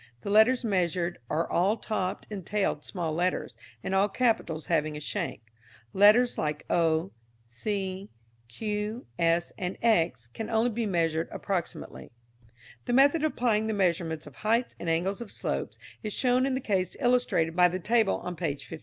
The letters measured are all topped and tailed small letters, and all capitals having a shank. Letters like O, C, Q, S, and X can only be measured approximately. The method of applying the measurements of heights and angles of slope is shown in the case illustrated by the table on page 15.